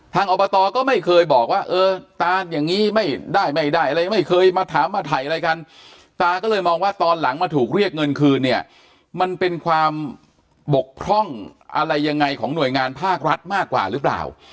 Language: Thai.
อบตก็ไม่เคยบอกว่าเออตาอย่างนี้ไม่ได้ไม่ได้อะไรไม่เคยมาถามมาถ่ายอะไรกันตาก็เลยมองว่าตอนหลังมาถูกเรียกเงินคืนเนี่ยมันเป็นความบกพร่องอะไรยังไงของหน่วยงานภาครัฐมากกว่าหรือเปล่า